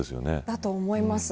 だと思います。